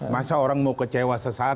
masa orang mau kecewa sesaat